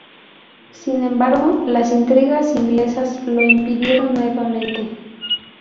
Sin embargo, las intrigas inglesas lo impidieron nuevamente.